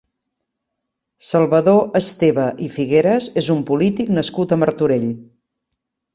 Salvador Esteve i Figueras és un polític nascut a Martorell.